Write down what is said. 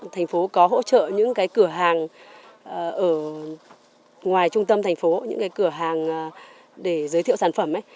thành phố có hỗ trợ những cái cửa hàng ở ngoài trung tâm thành phố những cái cửa hàng để giới thiệu sản phẩm